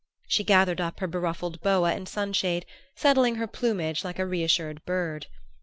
She gathered up her beruffled boa and sunshade, settling her plumage like a reassured bird.